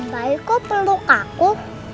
mbak kamu perlu ke aku